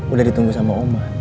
udah ditunggu sama oma